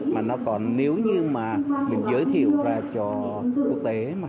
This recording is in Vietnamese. mà nó còn nếu như mình giới thiệu ra cho quốc tế